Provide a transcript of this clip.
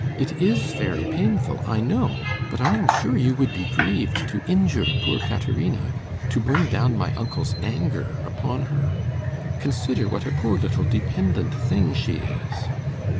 It is very painful, I know, but I am sure you would be grieved to injure poor Caterina to bring down my uncle's anger upon her. Consider what a poor little dependent thing she is.